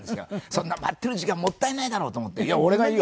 そんな待ってる時間もったいないだろうと思って「いや俺がやるよ！」